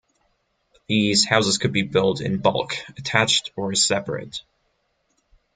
These houses could be built in bulk, attached or separate.